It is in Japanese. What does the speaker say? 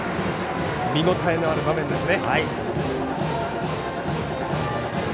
見応えのある場面です。